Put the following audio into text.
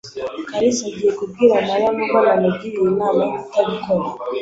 kalisa agiye kubwira Mariya nubwo namugiriye inama yo kutabikora.